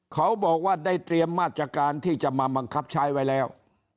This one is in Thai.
เขาบอกว่าได้เตรียมมาตรการที่จะมาบังคับใช้ไว้แล้ว